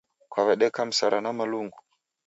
Kwaw'edeka msara na Malungu?